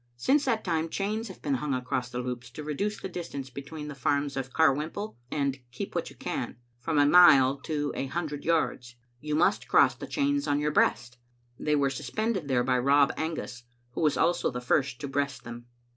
Since that time chains have been hung across the Loups to reduce the distance between the farms of Carwhimple and Keep What You Can from a mile to a hundred yards. You must cross the chains on your breast. They were suspended there by Rob Angus, who was also the first to breast them.